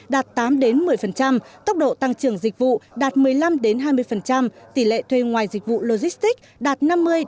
đạt tám một mươi tốc độ tăng trưởng dịch vụ đạt một mươi năm hai mươi tỷ lệ thuê ngoài dịch vụ logistics đạt năm mươi